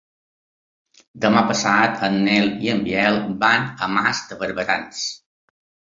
Demà passat en Nel i en Biel van a Mas de Barberans.